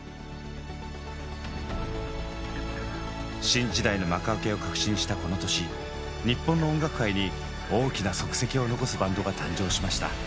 新時代の幕開けを確信したこの年日本の音楽界に大きな足跡を残すバンドが誕生しました。